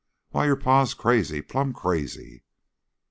Why, your pa's crazy! Plumb crazy!"